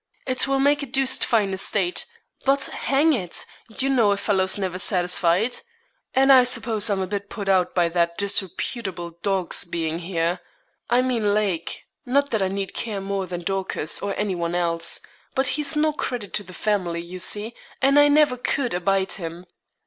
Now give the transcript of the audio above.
It will make a deuced fine estate; but hang it! you know a fellow's never satisfied. And I suppose I'm a bit put out by that disreputable dog's being here I mean Lake; not that I need care more than Dorcas, or anyone else; but he's no credit to the family, you see, and I never could abide him.